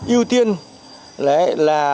yêu tiên là